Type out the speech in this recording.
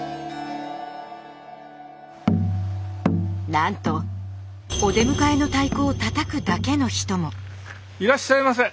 ☎☎なんとお出迎えの太鼓をたたくだけの人も。